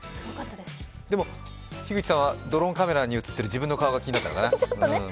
でも、樋口さんはドローンカメラに映っている自分の顔が気になったのかな。